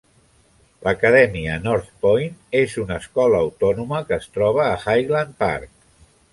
L'Acadèmia Northpointe és una escola autònoma que es troba a Highland Park.